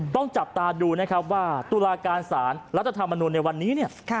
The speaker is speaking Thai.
ต้องจับตาดูนะครับว่าตุลาการสารรัฐธรรมนุนในวันนี้เนี่ย